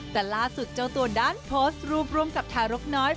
แต่ล่าสุดเจ้าตัวด้านโพสต์รูปร่วมกับทารกน้อย